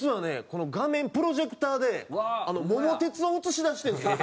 この画面プロジェクターで『桃鉄』を映し出してるんですよ。